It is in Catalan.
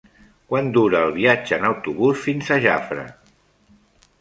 Quant dura el viatge en autobús fins a Jafre?